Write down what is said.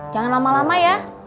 jangan lama lama ya